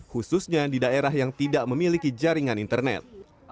khususnya di daerah yang tidak memiliki jaringan internet